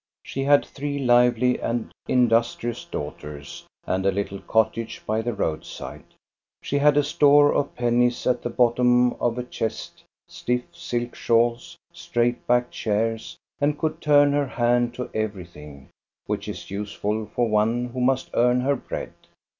She had three lively and industrious daughters and a little cottage by the roadside. She had a store of pennies at the bottom of a chest, stifi" silk shawls, straight backed chairs, and could turn her hand to everything, which is useful for one who MAMSELLE MARIE 237 B^l must earn her bread.